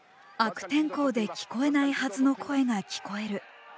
悪天候で聞こえないはずの声が聞こえる。